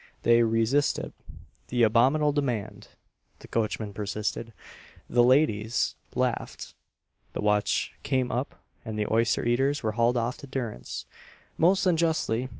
They re sisted the "abominable demand," the coachman per sisted, the ladies laughed, the watch came up, and the oyster eaters were hauled off to durance, most unjustly.